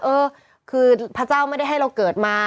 เออคือพระเจ้าไม่ได้ให้เราเกิดมา